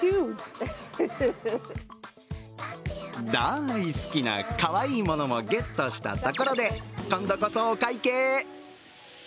大好きなかわいいものもゲットしたところで今度こそ、お会計！